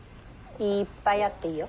いっぱいあっていいよ。